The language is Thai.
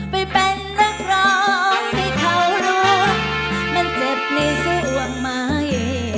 ไปเป็นนักร้องให้เขารู้มันเจ็บในส่วงไหม